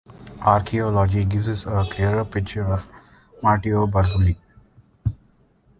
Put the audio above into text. Archaeology gives us a clearer picture of martiobarbuli.